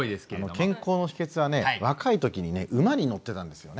健康の秘けつはね若い時にね馬に乗ってたんですよね。